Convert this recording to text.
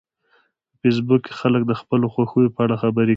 په فېسبوک کې خلک د خپلو خوښیو په اړه خبرې کوي